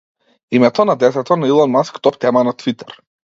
Името на детето на Илон Маск топ тема на Твитер